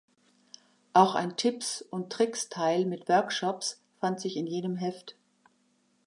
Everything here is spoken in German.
Auch ein Tipps-&-Tricks-Teil mit Workshops fand sich in jedem Heft.